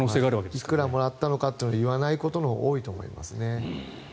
いくらもらったのかということは言わないことのほうが多いと思います。